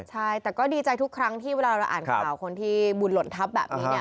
ใช่แต่ก็ดีใจทุกครั้งที่เวลาเราอ่านข่าวคนที่บุญหล่นทัพแบบนี้เนี่ย